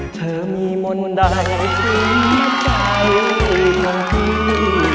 ที่มีมนตรายหรือสมัยที่มันพิมพ์